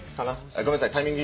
ごめんなさいタイミング